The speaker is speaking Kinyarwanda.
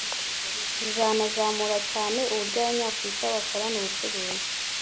Bizanazamura cyane uburyo Abanyafurika bakorana ubucuruzi